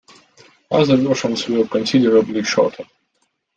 Other versions were considerably shorter.